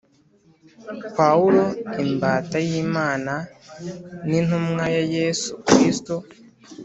Pawulo imbata y’Imana n’intumwa ya Yesu Kristo